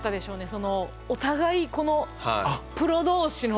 そのお互いこのプロ同士の。